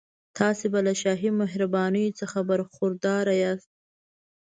تاسي به له شاهي مهربانیو څخه برخوردار یاست.